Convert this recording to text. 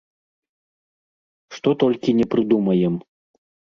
Што толькі не прыдумаем.